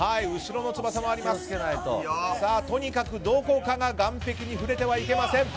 とにかくどこかが岸壁に触れてはいけません。